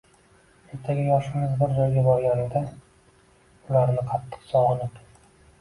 Ertaga yoshingiz bir joyga borganida ularni qattiq sog‘inib